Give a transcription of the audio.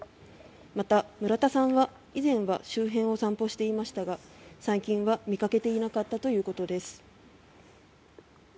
また、村田さんは以前は周辺を散歩していましたが最近は見かけていなかったということです。